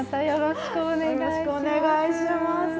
よろしくお願いします。